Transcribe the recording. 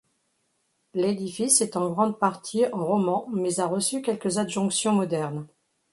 L'édifice est en grande partie roman mais a reçu quelques adjonctions modernes.